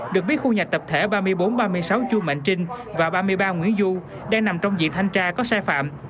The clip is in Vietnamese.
được biết khu nhà tập thể ba nghìn bốn trăm ba mươi sáu chu mạnh trinh và ba mươi ba nguyễn du đang nằm trong diện thanh tra có sai phạm